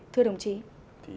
thưa đồng chí